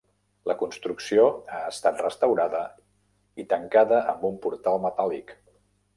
La construcció ha estat restaurada i tancada amb un portal metàl·lic.